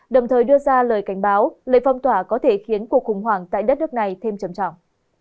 đồng thời đưa ra lời cảnh báo lệnh phong tỏa có thể khiến cuộc khủng hoảng tại đất nước này thêm trầm trọng